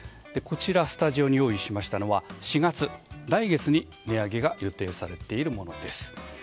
スタジオに用意しましたのは４月、来月に値上げが予定されているものです。